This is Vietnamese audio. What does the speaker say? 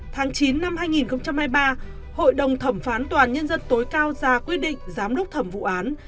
tháng chín năm hai nghìn hai mươi ba hội đồng thẩm phán tòa án nhân dân tối cao ra quyết định giám đốc thẩm vụ án